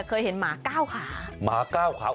เพื่อนเอาของมาฝากเหรอคะเพื่อนมาดูลูกหมาไงหาถึงบ้านเลยแหละครับ